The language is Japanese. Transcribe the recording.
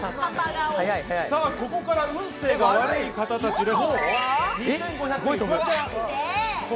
ここから運勢が悪い方たちです。